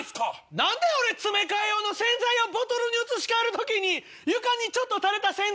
何で俺詰め替え用の洗剤をボトルに移し替えるときに床にちょっと垂れた洗剤